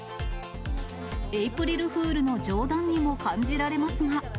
エイプリルフールの冗談にも感じられますが。